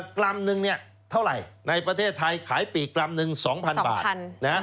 กรัมนึงเนี่ยเท่าไหร่ในประเทศไทยขายปีกกรัมหนึ่ง๒๐๐บาท